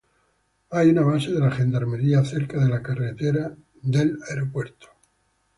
Hay una base de la gendarmería cerca de la carretera del aeropuerto.